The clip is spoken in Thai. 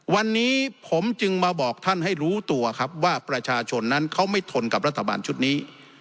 วันนี้ผมจึงมาบอกท่านให้รู้ตัวครับว่าประชาชนนั้นเขาไม่ทนกับรัฐบาลชุดนี้